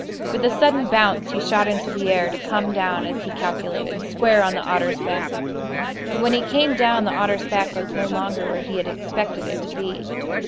With a sudden bounce he shot into the air, to come down, as he calculated, square on the otter's back. But when he came down the otter's back was no longer where he had expected it to be.